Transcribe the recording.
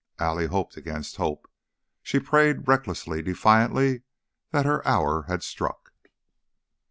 Allie hoped against hope; she prayed recklessly, defiantly, that her hour had struck.